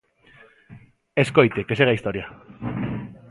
Escoite, que segue a historia.